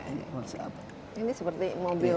ini seperti mobil james bond